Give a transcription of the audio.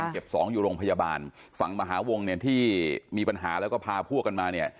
เจ็บสองอยู่โรงพยาบาลฝั่งมหาวงเนี่ยที่มีปัญหาแล้วก็พาพวกกันมาเนี่ย